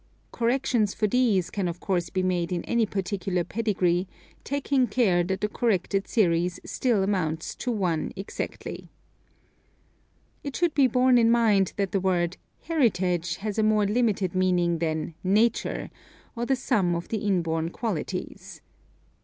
Corrections for these can of course be made in any particular pedigree, taking care that the corrected series still amounts to i exactly. It should be borne in mind that the word " Heritage " has a more limited meaning than " Nature," or the sum of the inborn qualities.